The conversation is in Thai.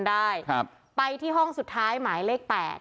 ได้ครับไปที่ห้องสุดท้ายหมายเลขแปด